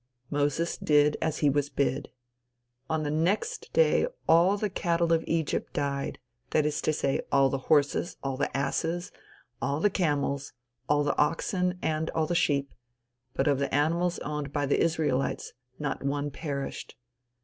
Moses did as he was bid. On the next day all the cattle of Egypt died; that is to say, all the horses, all the asses, all the camels, all the oxen and all the sheep; but of the animals owned by the Israelites, not one perished.